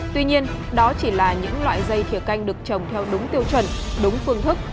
tuy nhiên đó chỉ là những loại dây thiều canh được trồng theo đúng tiêu chuẩn đúng phương thức